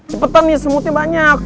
cepetan nih semutnya banyak